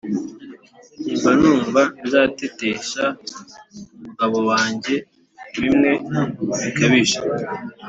njye mba numva nzatetesha umugabo wanjye bimwe bikabije